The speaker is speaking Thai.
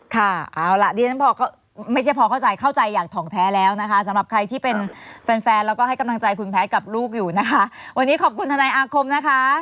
ค่ะเอาล่ะดิฉันพอไม่ใช่พอเข้าใจเข้าใจอย่างถ่องแท้แล้วนะคะสำหรับใครที่เป็นแฟนแฟนแล้วก็ให้กำลังใจคุณแพทย์กับลูกอยู่นะคะวันนี้ขอบคุณทนายอาคมนะคะ